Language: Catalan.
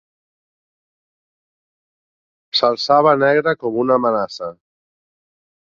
...s'alçava negre com una amenaça